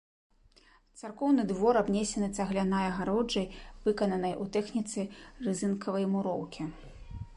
Царкоўны двор абнесены цаглянай агароджай, выкананай у тэхніцы разынкавай муроўкі.